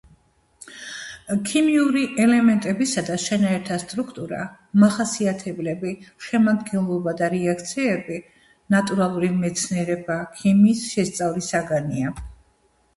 ქიმიური ელემენტებისა და შენაერთთა სტრუქტურა, მახასიათებლები, შემადგენლობა და რეაქციები ნატურალური მეცნიერება ქიმიის შესწავლის საგანია.